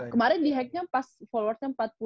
kemarin dihacknya pas followersnya empat puluh k